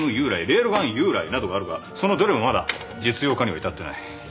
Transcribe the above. レールガン誘雷などがあるがそのどれもまだ実用化には至ってない。